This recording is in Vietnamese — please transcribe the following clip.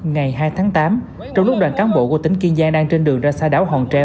ngày hai tháng tám trong lúc đoàn cán bộ của tỉnh kiên giang đang trên đường ra xa đảo hòn tre